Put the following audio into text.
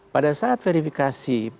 pada saat verifikasi